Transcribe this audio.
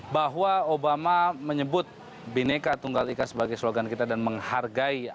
bahwa obama menyebut bineka tunggal ika sebagai slogan kita dan menghargai